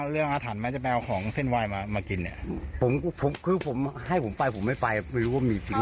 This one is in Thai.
แต่ถ้าจะขอเขาให้คนที่เขาเป็นน่ะเขาให้ก็ได้